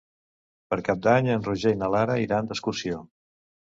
Per Cap d'Any en Roger i na Lara iran d'excursió.